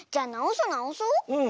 うん。